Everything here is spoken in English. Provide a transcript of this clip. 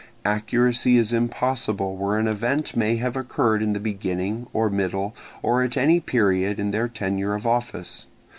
Accuracy is impossible where an event may have occurred in the beginning, or middle, or at any period in their tenure of office.